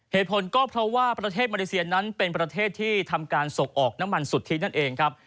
เหตุผลก็เพราะว่าประเทศมาเลเซียนั้นเป็นประเทศที่ทำการส่งออกน้ำมันสุทธินั่นเองครับ